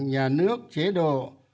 nhà nước chế độ